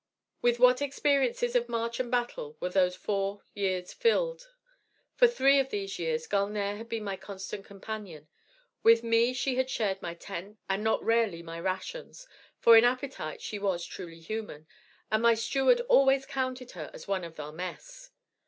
With what experiences of march and battle were those four years filled! For three of these years Gulnare had been my constant companion. With me she had shared my tent, and not rarely my rations, for in appetite she was truly human, and my steward always counted her as one of our 'mess.'